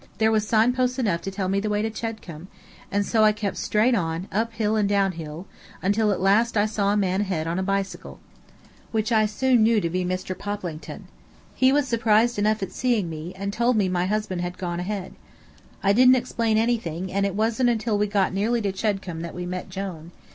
There was sign posts enough to tell me the way to Chedcombe, and so I kept straight on, up hill and down hill, until at last I saw a man ahead on a bicycle, which I soon knew to be Mr. Poplington. He was surprised enough at seeing me, and told me my husband had gone ahead. I didn't explain anything, and it wasn't until we got nearly to Chedcombe that we met Jone.